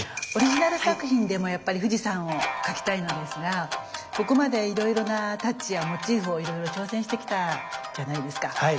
オリジナル作品でもやっぱり富士山を描きたいのですがここまでいろいろなタッチやモチーフを挑戦してきたじゃないですか。